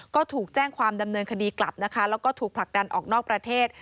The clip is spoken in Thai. ก็ถูกแจ้งความดำเนินคดีกลับนะคะแล้วก็ถูกผลักดันออกนอกประเทศ